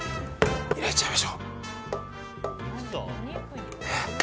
入れちゃいましょう。